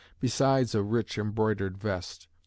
besides a rich embroidered vest.